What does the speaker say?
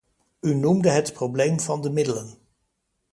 U noemde het probleem van de middelen.